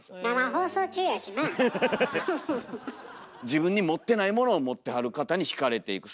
自分に持ってないものを持ってはる方に惹かれていく。